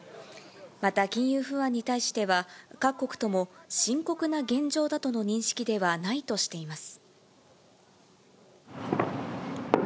また、金融不安に対しては、各国とも深刻な現状だとの認識ではないとしています。